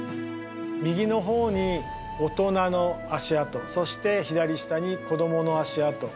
右の方に大人の足跡そして左下に子供の足跡。